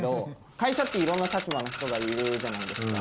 会社っていろんな立場の人がいるじゃないですか。